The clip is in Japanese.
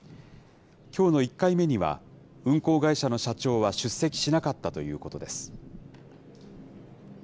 きょうの１回目には、運航会社の社長は出席しなかったということです。